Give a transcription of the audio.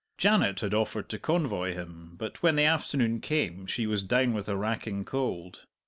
Janet had offered to convoy him, but when the afternoon came she was down with a racking cold.